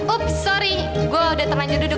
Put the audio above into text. oh sorry gue udah terlanjur duduk